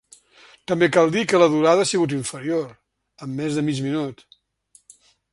També cal dir que la durada ha sigut inferior, en més de mig minut.